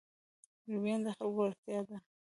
رومیان د خلکو اړتیا ده